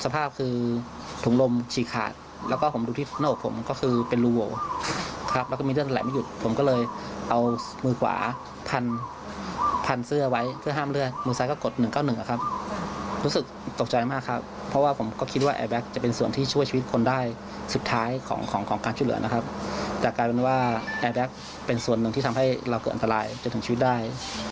ผมตกใจมากครับเพราะว่าผมก็คิดว่าแอร์แบ็คจะเป็นส่วนที่ช่วยชีวิตคนได้สุดท้ายของการช่วยเหลือนะครับแต่กลายเป็นว่าแอร์แบ็คเป็นส่วนหนึ่งที่ทำให้เราเกิดอันตรายจนถึงชีวิตได้